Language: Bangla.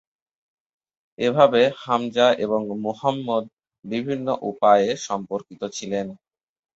এভাবে হামজা এবং মুহম্মদ বিভিন্ন উপায়ে সম্পর্কিত ছিলেন।।